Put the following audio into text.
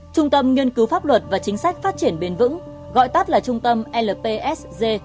trung tâm nghiên cứu pháp luật và chính sách phát triển bền vững gọi tắt là trung tâm lpsg